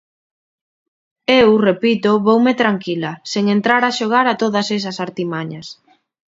Eu, repito, voume tranquila, sen entrar a xogar a todas esas artimañas.